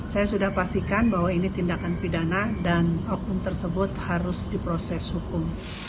saya sudah pastikan bahwa ini tindakan pidana dan oknum tersebut harus diproses hukum